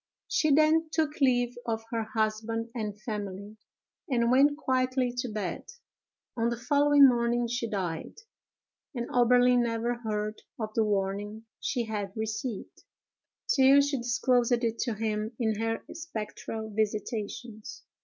She then took leave of her husband and family, and went quietly to bed. On the following morning she died; and Oberlin never heard of the warning she had received, till she disclosed it to him in her spectral visitations.